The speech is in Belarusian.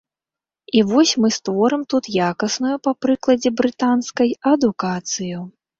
І вось мы створым тут якасную, па прыкладзе брытанскай, адукацыю.